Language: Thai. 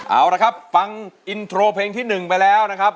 เอาละครับฟังอินโทรเพลงที่๑ไปแล้วนะครับ